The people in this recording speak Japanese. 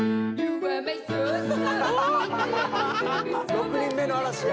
６人目の嵐や。